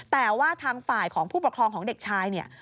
แต่ว่าทางฝ่ายของผู้ปกครองของเด็กชายเนี่ย